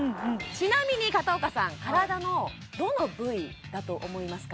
ちなみに片岡さん体のどの部位だと思いますか？